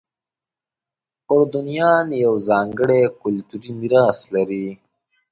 اردنیان یو ځانګړی کلتوري میراث لري.